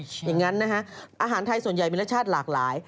อย่างนั้นนะฮะอาหารไทยส่วนใหญ่มีรสชาติหลากหลาย